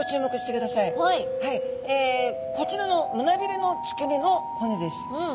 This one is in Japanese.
こちらの胸びれの付け根の骨です。